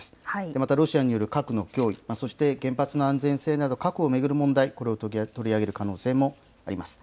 またロシアによる核の脅威、そして原発の安全性など、核を巡る問題、これを取り上げる可能性もあります。